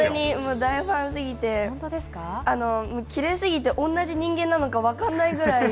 大ファンすぎて、きれいすぎて、同じ人間なのか同じ人間なのか分からないくらい。